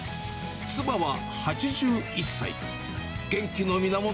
妻は８１歳。